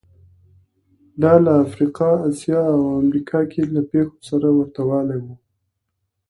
دا له افریقا، اسیا او امریکا کې له پېښو سره ورته والی و